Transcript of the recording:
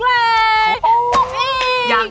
ตบพลิก